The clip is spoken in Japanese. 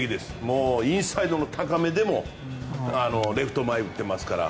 インサイドの高めでもレフト前に打っていますから。